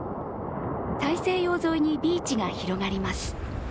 大西洋沿いにビーチが広がります。